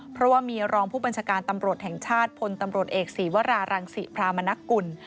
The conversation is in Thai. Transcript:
เพราะว่ามีรองผู้บัญชาการตำรวจแห่งชาติพลตำรวจเอกศีวรารังศิพรามณกุล